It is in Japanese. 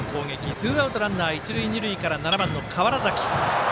ツーアウトランナー、一塁二塁から７番の川原崎。